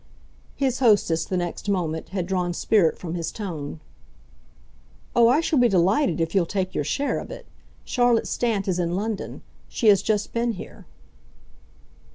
His hostess, the next moment, had drawn spirit from his tone. "Oh, I shall be delighted if you'll take your share of it. Charlotte Stant is in London. She has just been here."